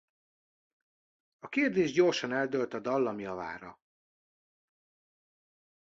A kérdés gyorsan eldőlt a dallam javára.